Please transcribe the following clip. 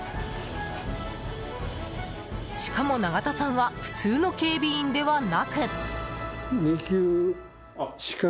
しかも永田さんは普通の警備員ではなく。